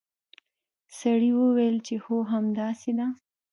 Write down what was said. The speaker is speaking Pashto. سړي وویل چې هو همداسې ده.